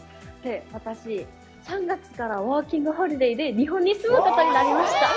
私、３月からワーキングホリデーで日本に住むことになりました。